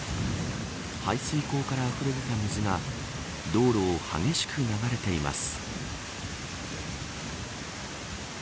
排水溝からあふれ出た水が道路を激しく流れています。